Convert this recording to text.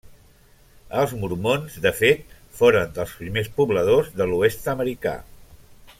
Els mormons, de fet, foren dels primers pobladors de l'oest americà.